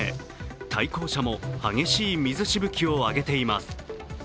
対向車も激しい水しぶきを上げています。